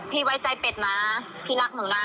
ไว้ใจเป็ดนะพี่รักหนูนะ